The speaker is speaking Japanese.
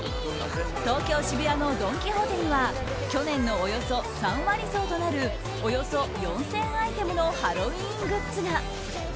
東京・渋谷のドン・キホーテには去年のおよそ３割増となるおよそ４０００アイテムのハロウィーングッズが。